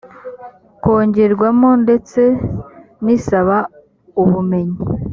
kongerwamo ndetse n’isaba ubumenyi